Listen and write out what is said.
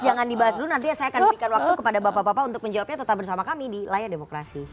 jangan dibahas dulu nanti ya saya akan berikan waktu kepada bapak bapak untuk menjawabnya tetap bersama kami di layar demokrasi